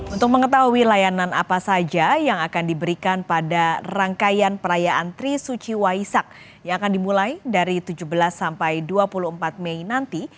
untuk mengetahui layanan apa saja yang akan diberikan pada rangkaian perayaan trisuci waisak yang akan dimulai dari tujuh belas sampai dua puluh empat mei nanti